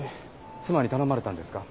妻に頼まれたんですか？